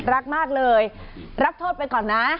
รักมากเลยรับโทษไปก่อนนะ